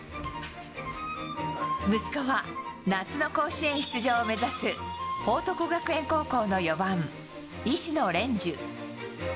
息子は夏の甲子園出場を目指す、報徳学園高校の４番石野蓮授。